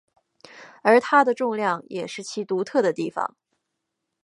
而它的重量也是其独特的地方。